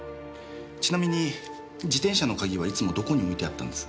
ちなみに自転車の鍵はいつもどこに置いてあったんです？